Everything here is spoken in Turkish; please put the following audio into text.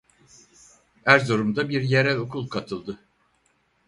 Erzurum'da bir yerel okul katıldı.